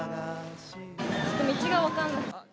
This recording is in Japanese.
ちょっと道が分かんなくて。